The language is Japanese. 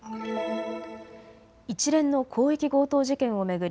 一連の広域強盗事件を巡り